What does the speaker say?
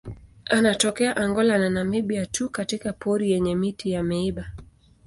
Anatokea Angola na Namibia tu katika pori yenye miti ya miiba.